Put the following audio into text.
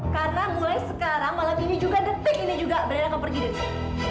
karena mulai sekarang malam ini juga detik ini juga brenda akan pergi dari sini